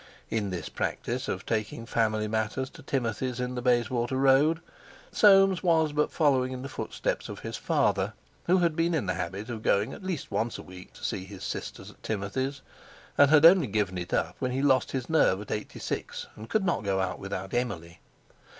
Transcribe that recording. In this practice of taking family matters to Timothy's in the Bayswater Road, Soames was but following in the footsteps of his father, who had been in the habit of going at least once a week to see his sisters at Timothy's, and had only given it up when he lost his nerve at eighty six, and could not go out without Emily.